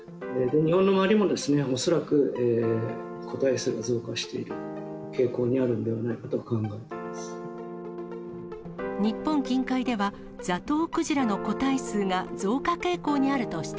日本の周りも恐らく個体数が増加している傾向にあるんではないか日本近海では、ザトウクジラの個体数が増加傾向にあると指摘。